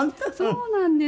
そうなんです。